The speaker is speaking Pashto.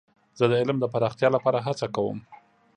زه د علم د پراختیا لپاره هڅه کوم.